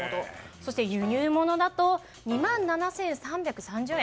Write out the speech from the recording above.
そして輸入物だと２万７３３０円。